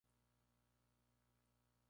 Detrás hay un jardín con una fuente de piedra.